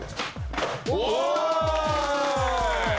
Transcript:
お！